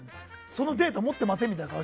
そのデータ持ってませんみたいな。